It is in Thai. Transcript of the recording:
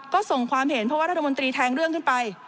ก็ส่งความเห็นเพราะว่ารัฐมนตรีแทงเรื่องขึ้นไป